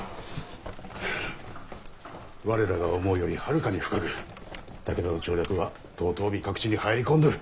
はあ我らが思うよりはるかに深く武田の調略は遠江各地に入り込んどる。